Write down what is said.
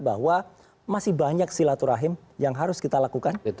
bahwa masih banyak silaturahim yang harus kita lakukan